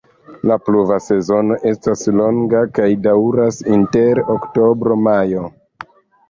La pluva sezono estas longa kaj daŭras inter oktobro-majo.